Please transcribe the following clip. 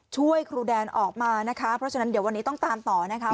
ช่วยครูแดนออกมานะคะเพราะฉะนั้นเดี๋ยววันนี้ต้องตามต่อนะคะ